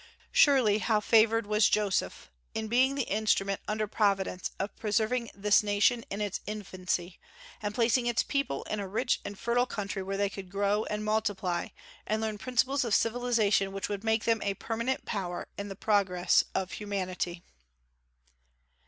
Surely, how favored was Joseph, in being the instrument under Providence of preserving this nation in its infancy, and placing its people in a rich and fertile country where they could grow and multiply, and learn principles of civilization which would make them a permanent power in the progress of humanity!